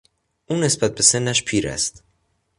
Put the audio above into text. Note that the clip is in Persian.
او نسبت به سنش پیر است.